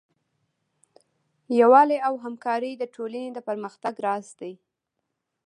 یووالی او همکاري د ټولنې د پرمختګ راز دی.